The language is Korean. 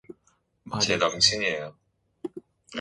말이 끝나기 전에 부인은 마루로 나왔다.